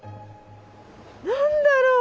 何だろう？